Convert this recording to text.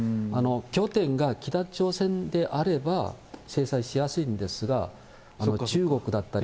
拠点が北朝鮮であれば制裁しやすいんですが、中国だったり、